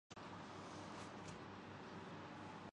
میں ریڈیو پر خبر سن رہا تھا